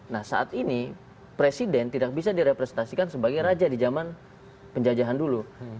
nah saat ini presiden tidak bisa direpresentasikan sebagai raja di zaman penjajahan dulu